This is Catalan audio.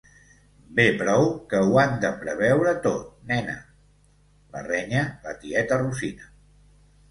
Bé prou que ho han de preveure tot, nena —la renya la tieta Rosina—.